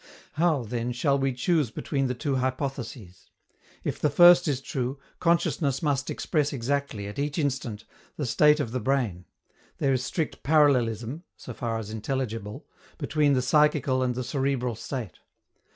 How, then, shall we choose between the two hypotheses? If the first is true, consciousness must express exactly, at each instant, the state of the brain; there is strict parallelism (so far as intelligible) between the psychical and the cerebral state.